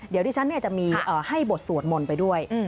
เดี๋ยวที่ฉันจะมีให้บทสวดมนต์ไปด้วย